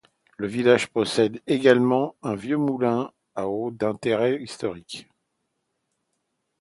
Le village possède également un vieux moulin à eau d'intérêt historique.